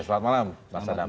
selamat malam mas adam